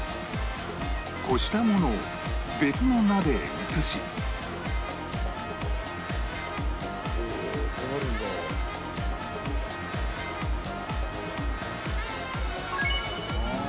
濾したものを別の鍋へ移しああ。